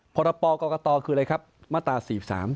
พรปอกรกฎาคืออะไรครับมาตราสีบสาม